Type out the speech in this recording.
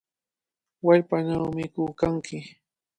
¡Wallpanaw mikuykanki!